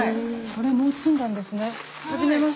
あれもう積んだんですね。